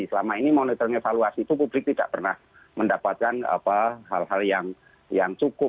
selama ini monitoring evaluasi itu publik tidak pernah mendapatkan hal hal yang cukup